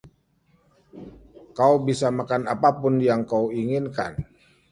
Kau bisa makan apapun yang kau inginkan.